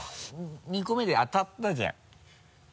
２個目で当たったじゃん。